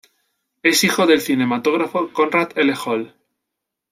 Es hijo del cinematógrafo Conrad L. Hall.